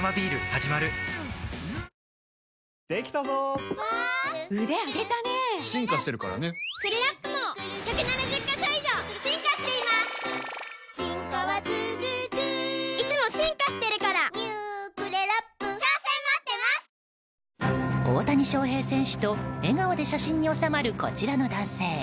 はじまる大谷翔平選手と笑顔で写真に収まるこちらの男性。